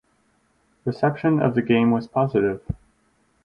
Reception of the game was positive.